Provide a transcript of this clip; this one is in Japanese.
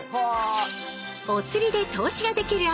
おつりで投資ができるアプリ。